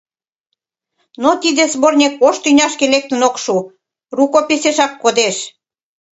Но тиде сборник ош тӱняшке лектын ок шу, рукописешак кодеш.